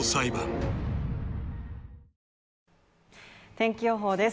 天気予報です。